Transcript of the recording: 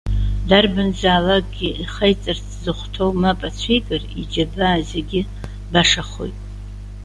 Дарбанзаалакгьы ихаиҵарц зыхәҭоу мап ацәикыр, иџьабаа зегьы башахоит.